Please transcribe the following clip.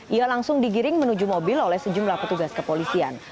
ia langsung digiring menuju mobil oleh sejumlah petugas kepolisian